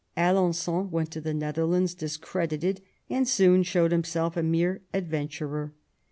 Alen9on went to the Netherlands discredited, and soon showed himself a mere adventurer.